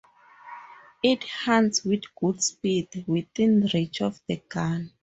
It hunts with good speed, within reach of the gun.